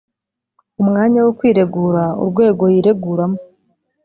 Umwanya wo kwiregura urwego yireguramo